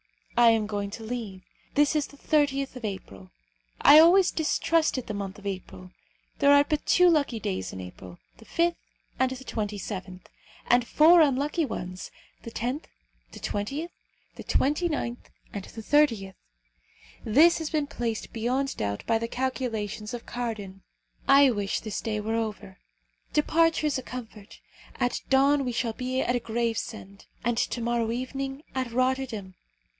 I am going to leave. This is the 30th of April. I always distrusted the month of April. There are but two lucky days in April, the 5th and the 27th; and four unlucky ones the 10th, the 20th, the 29th, and the 30th. This has been placed beyond doubt by the calculations of Cardan. I wish this day were over. Departure is a comfort. At dawn we shall be at Gravesend, and to morrow evening at Rotterdam.